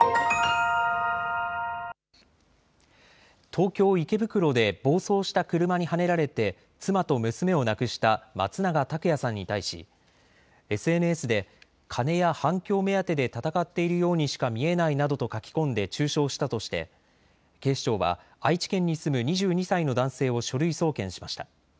東京池袋で暴走した車にはねられて妻と娘を亡くした松永拓也さんに対しＳＮＳで金や反響目当てで闘っているようにしか見えないなどと書き込んで中傷したとして警視庁は愛知県に住む２２歳の男性を書類送検しました。